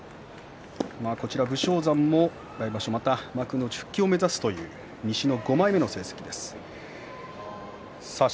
武将山も来場所また幕内復帰を目指すという西の５枚目の成績です。